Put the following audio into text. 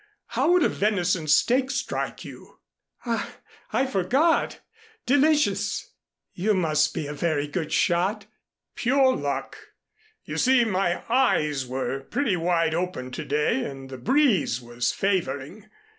How would a venison steak strike you?" "Ah, I forgot. Delicious! You must be a very good shot." "Pure luck. You see my eyes were pretty wide open to day and the breeze was favoring.